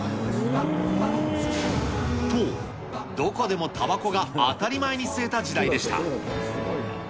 と、どこでもたばこが当たり前に吸えた時代でした。